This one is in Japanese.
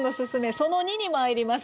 その２にまいります。